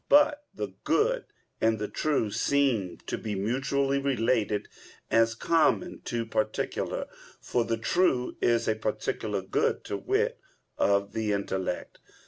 But the good and the true seem to be mutually related as common to particular; for the true is a particular good, to wit, of the intellect.